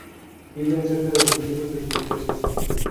Viven cerca de los nidos de sus presas.